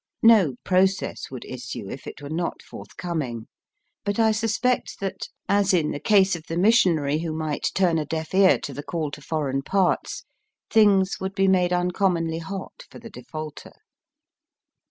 No process would issue if it were not forthcoming ; but I suspect that, as in the case of the missionary who might turn a deaf ear to the call to foreign parts, things would be made uncommonly hot for the defaulter.